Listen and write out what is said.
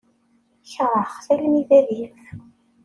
Keṛheɣ-t armi d adif.